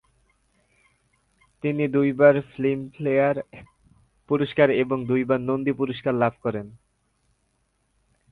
তিনি দুইবার ফিল্মফেয়ার পুরস্কার এবং দুইবার নন্দী পুরস্কার লাভ করেন।